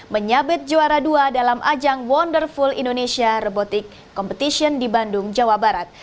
menyabet juara dua dalam ajang wonderful indonesia robotic competition di bandung jawa barat